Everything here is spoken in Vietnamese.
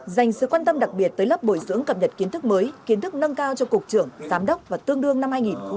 dành sự quan tâm đặc biệt tới lớp bồi dưỡng cập nhật kiến thức mới kiến thức nâng cao cho cục trưởng giám đốc và tương đương năm hai nghìn một mươi tám